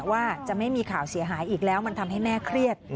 ว่าจะไม่มีข่าวเสียหายอีกแล้วมันทำให้แม่เครียด